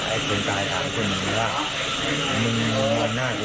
ไอ้คนตายถามคนหนึ่งว่า